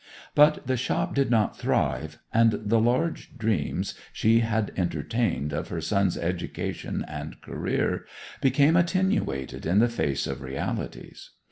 But the shop did not thrive, and the large dreams she had entertained of her sons' education and career became attenuated in the face of realities.